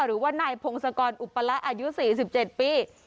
หรือว่านายพงศกรอุปละอายุ๔๗ปี